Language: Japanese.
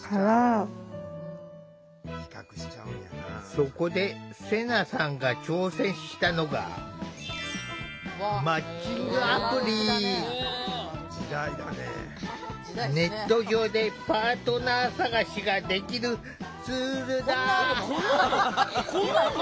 そこでセナさんが挑戦したのがネット上でパートナー探しができるツールだ。